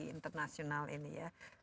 internasional ini ya